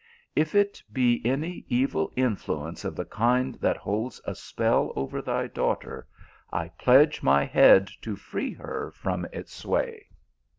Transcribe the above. If it be any evil influence of the kind that holds a spell over thy daughter, I pledge my head to free her from its sway."